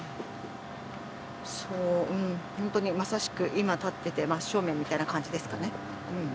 そううんホントにまさしく今立ってて真っ正面みたいな感じですかね